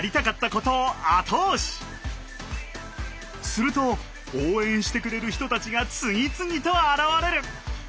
すると応援してくれる人たちが次々と現れる！